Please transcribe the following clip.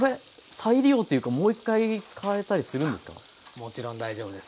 もちろん大丈夫です。